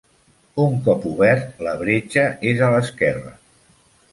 Un cop obert, la bretxa és a l'esquerra.